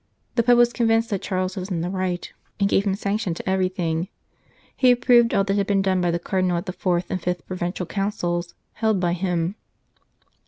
The Pope was convinced that Charles was in the right, and gave his sanction to everything. He approved all that had been done by the Cardinal at the fourth and fifth Provincial Councils held by him.